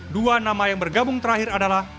dua nama yang bergabung terakhir adalah